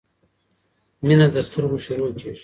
مينه له سترګو شروع کیږی